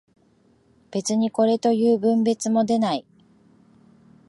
別にこれという分別も出ない